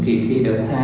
kỳ thi đợt hai